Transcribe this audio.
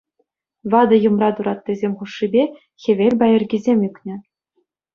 Ватӑ йӑмра тураттисем хушшипе хӗвел пайӑркисем ӳкнӗ.